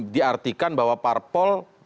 diartikan bahwa parpol